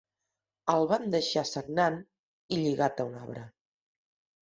El van deixar sagnant i lligat a un arbre.